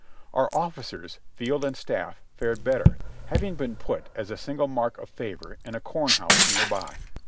Our officers, field and staff, fared better, having been put, as a signal mark of favor, in a corn house near by.